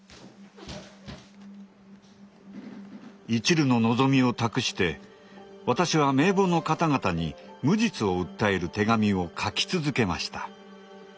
いちるの望みを託して私は名簿の方々に無実を訴える手紙を書き続けました。